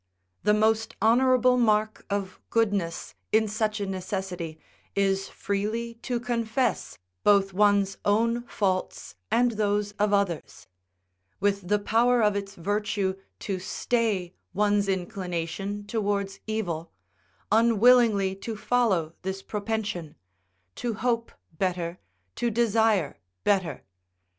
The most honourable mark of goodness in such a necessity is freely to confess both one's own faults and those of others; with the power of its virtue to stay one's inclination towards evil; unwillingly to follow this propension; to hope better, to desire better.